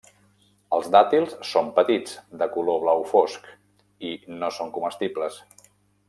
Els dàtils són petits, de color blau fosc, i no són comestibles.